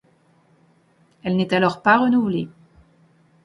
Elle n'est alors pas renouvelée.